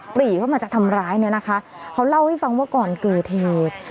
ปรีเข้ามาจะทำร้ายเนี่ยนะคะเขาเล่าให้ฟังว่าก่อนเกิดเหตุ